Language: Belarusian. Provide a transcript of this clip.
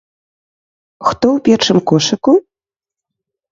Хто ў першым кошыку?